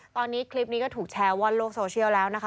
ตอนนี้คลิปนี้ก็ถูกแชร์ว่อนโลกโซเชียลแล้วนะคะ